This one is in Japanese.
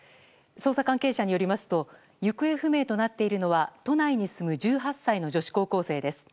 捜査関係者によりますと行方不明となっているのは都内に住む１８歳の女子高校生です。